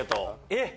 えっ？